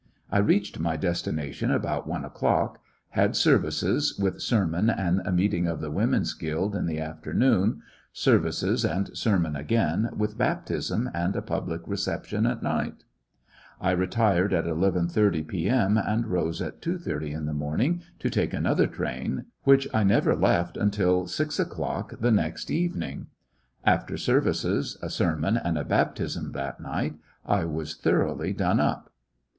I reached my destination about one o'clock ; had services, with sermon and a meeting of the Women's Guild, in the afternoon 5 services and sermon again, with baptism and a public re ception, at night. I retired at 11 : 30 p.m. and arose at 2 : 30 in the morning to take another train, which I never left until six o'clock the next evening. After services, a sermon, and a baptism that night, I was thoroughly done up.